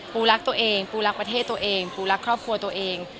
ปูรักตัวเองปูรักประเทศตัวเองปูรักครอบครัวตัวเอง